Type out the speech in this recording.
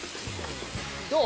どう？